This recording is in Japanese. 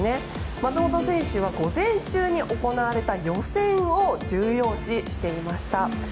松元選手は午前中に行われた予選を重要視していました。